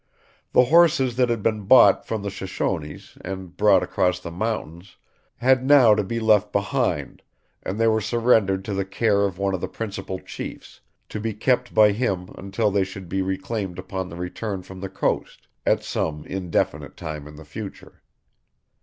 The horses that had been bought from the Shoshones and brought across the mountains had now to be left behind, and they were surrendered to the care of one of the principal chiefs, to be kept by him until they should be reclaimed upon the return from the coast, at some indefinite time in the future.